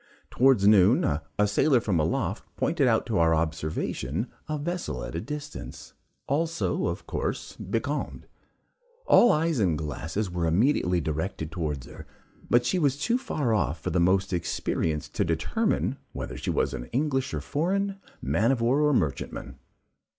Towards noon, a sailor from aloft pointed out to our observation a vessel at a distance, also, of course, becalmed. All eyes and glasses were immediately directed towards her, but she was too far off for the most experienced to determine whether she was English or foreign, man of war or merchantman.